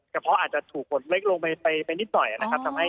เพาะอาจจะถูกคนเล็กลงไปนิดหน่อยนะครับ